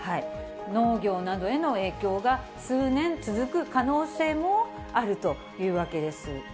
農業などへの影響が数年続く可能性もあるというわけです。